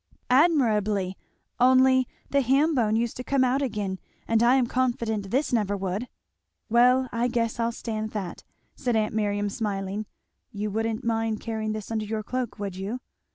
"Admirably! only the ham bone used to come out again, and I am confident this never would." "Well I guess I'll stand that," said aunt Miriam smiling, "you wouldn't mind carrying this under your cloak, would you?"